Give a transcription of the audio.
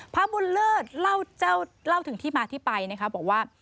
พระบุญเลิศเล่าถึงที่มาที่ไปนะคะบอกว่า